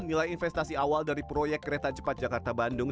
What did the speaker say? nilai investasi awal dari proyek kereta cepat jakarta bandung